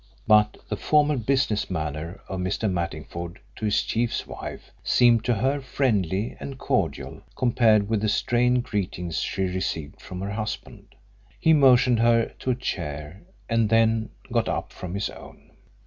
But the formal business manner of Mr. Mattingford to his chief's wife seemed to her friendly and cordial compared with the strained greetings she received from her husband. He motioned her to a chair and then got up from his own.